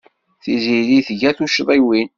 Tiziri tga tuccḍiwin.